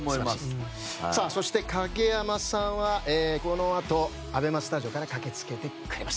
そして影山さんはこのあとＡＢＥＭＡスタジオから駆けつけてくれます。